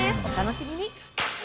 お楽しみに。